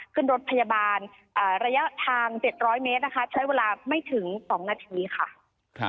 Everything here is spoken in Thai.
ขึ้นรถพยาบาลระยะทาง๗๐๐เมตรนะคะใช้เวลาไม่ถึง๒นาทีค่ะ